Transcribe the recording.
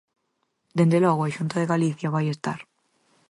Dende logo, a Xunta de Galicia vai estar.